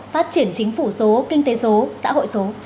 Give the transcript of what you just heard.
phát triển chính phủ số kinh tế số xã hội số